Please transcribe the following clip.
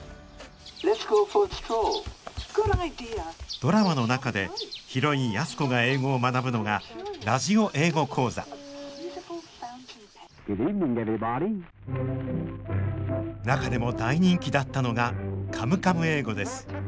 ドラマの中でヒロイン安子が英語を学ぶのがラジオ英語講座中でも大人気だったのが「カムカム英語」です。